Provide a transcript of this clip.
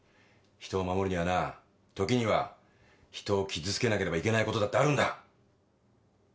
人を守るにはな時には人を傷つけなければいけないことだってあるんだ。